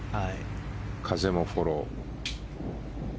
風もフォロー。